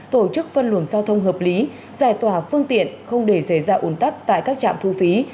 tổ chức phân luồng giao thông hợp lý giải tỏa phương tiện không để xảy ra ủn tắc tại các trạm thu phí